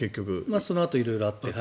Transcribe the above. そのあと色々あって。